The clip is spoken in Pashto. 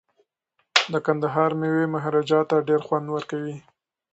د کندهار میوې مهاراجا ته ډیر خوند ورکوي.